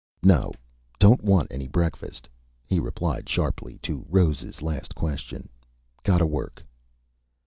"No don't want any breakfast," he replied sharply to Rose' last question. "Gotta work...."